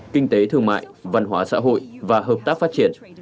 kinh tế thương mại văn hóa xã hội và hợp tác phát triển